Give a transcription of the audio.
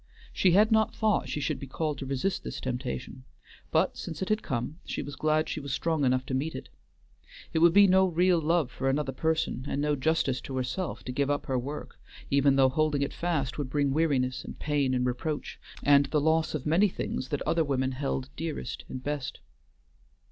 She had not thought she should be called to resist this temptation, but since it had come she was glad she was strong enough to meet it. It would be no real love for another person, and no justice to herself, to give up her work, even though holding it fast would bring weariness and pain and reproach, and the loss of many things that other women held dearest and best.